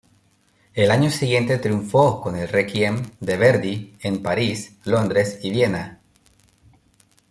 El año siguiente triunfó con el "Requiem" de Verdi en París, Londres y Viena.